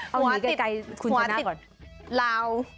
หัวติดหัวติดลาว